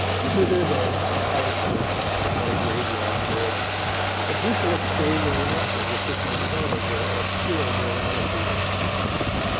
Thither then I escaped with my graveyard poets, and who shall explain the rapture with which I followed their austere morality?